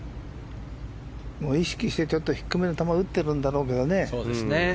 意識して低めの球を打ってるんだろうけどね。